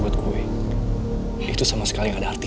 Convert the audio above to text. dan semua masalah akan teratas